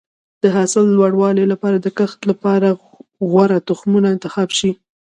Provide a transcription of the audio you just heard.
د حاصل د لوړوالي لپاره د کښت لپاره غوره تخمونه انتخاب شي.